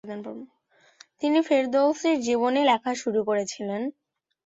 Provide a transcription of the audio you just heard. তিনি ফেরদৌসীর জীবনী লেখা শুরু করেছিলেন।